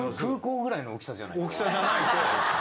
大きさじゃないと。